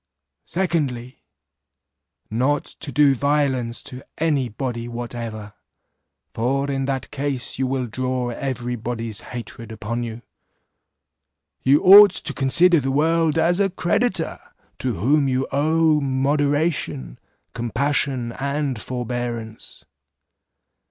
"Secondly, Not to do violence to any body whatever, for in that case you will draw every body's hatred upon you. You ought to consider the world as a creditor, to whom you owe moderation, compassion, and forbearance.